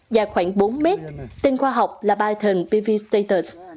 dài khoảng bốn m tên khoa học là python pv status